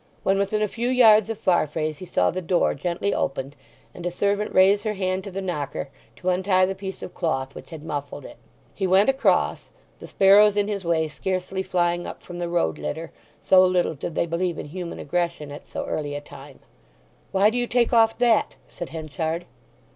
When within a few yards of Farfrae's he saw the door gently opened, and a servant raise her hand to the knocker, to untie the piece of cloth which had muffled it. He went across, the sparrows in his way scarcely flying up from the road litter, so little did they believe in human aggression at so early a time. "Why do you take off that?" said Henchard.